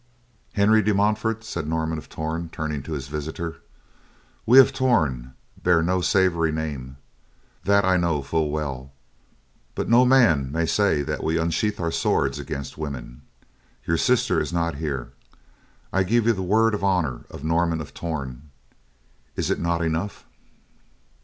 "Henry de Montfort," said Norman of Torn, turning to his visitor, "we of Torn bear no savory name, that I know full well, but no man may say that we unsheath our swords against women. Your sister is not here. I give you the word of honor of Norman of Torn. Is it not enough?"